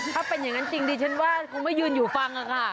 ถ้าเป็นอย่างนั้นจริงดิฉันว่าคงไม่ยืนอยู่ฟังค่ะ